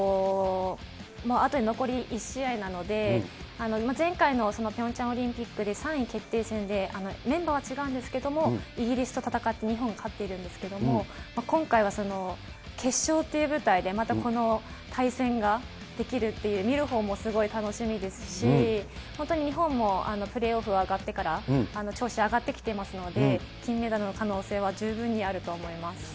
あと残り１試合なので、前回のピョンチャンオリンピックで３位決定戦で、メンバーは違うんですけれども、イギリスと戦って、日本勝ってるんですけど、今回は決勝っていう舞台で、またこの対戦ができるっていう、見るほうもすごい楽しみですし、本当に日本もプレーオフあ上がってから、調子上がってきてますので、金メダルの可能性は十分にあると思います。